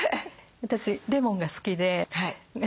私レモンが好きで。